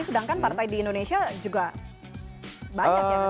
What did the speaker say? sedangkan partai di indonesia juga banyak ya